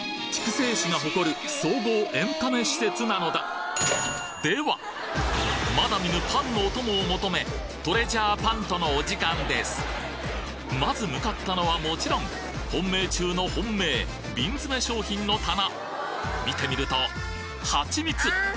筑西市が誇るまだ見ぬパンのお供を求めトレジャーパントのお時間ですまず向かったのはもちろん本命中の本命ビン詰め商品の棚見てみるとはちみつ